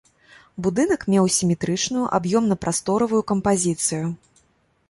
Будынак меў сіметрычную аб'ёмна-прасторавую кампазіцыю.